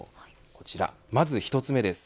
こちらまず１つ目です。